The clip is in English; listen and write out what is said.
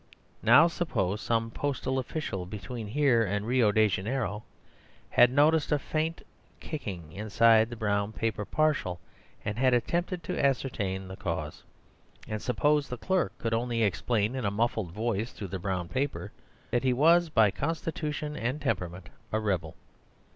Now suppose some postal official, between here and Rio Janeiro, had noticed a faint kicking inside the brown paper parcel, and had attempted to ascertain the cause. And suppose the clerk could only explain, in a muffled voice through the brown paper, that he was by constitution and temperament a Rebel.